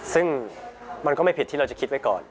ซึ่งมันก็ไม่ผิดที่เราจะคิดไว้ก่อน